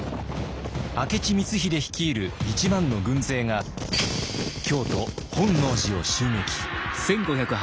明智光秀率いる１万の軍勢が京都・本能寺を襲撃。